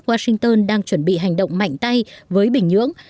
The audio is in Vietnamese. washington đang chuẩn bị hành động mạnh tay với bình nhưỡng